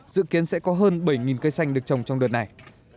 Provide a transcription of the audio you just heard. dự kiến sẽ có hơn bảy cây xanh được trồng trong đợt này